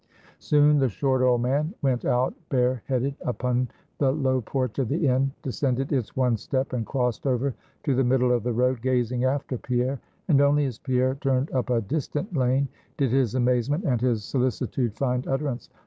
Soon the short old man went out bare headed upon the low porch of the Inn, descended its one step, and crossed over to the middle of the road, gazing after Pierre. And only as Pierre turned up a distant lane, did his amazement and his solicitude find utterance.